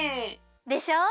でしょ！？